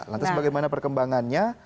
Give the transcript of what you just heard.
lantas bagaimana perkembangannya